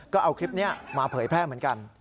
ก็เอาคลิปนี้มาเผยแพร่เหมือนกัน